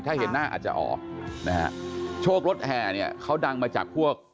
ถ้าเห็นหน้าอาจจะออกนะฮะโชครถแห่เนี่ยเขาดังมาจากพวก